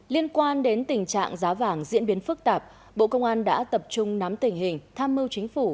liên quan đến tình trạng giá vàng diễn biến phức tạp bộ công an đã tập trung nắm tình hình tham mưu chính phủ